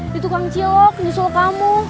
di tukang ciyok nyusul kamu